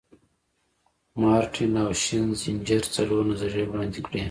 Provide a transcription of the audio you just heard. مارټین او شینزینجر څلور نظریې وړاندې کړي.